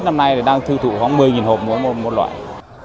tết năm nay thì đang thu thụ khoảng một mươi hộp mỗi loại